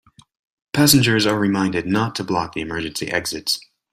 Passengers are reminded not to block the emergency exits.